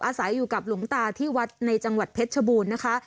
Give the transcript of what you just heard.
อาศัยอยู่กับหลวงตาที่วัดในจังหวัดเพชรชบูรณ์นะคะ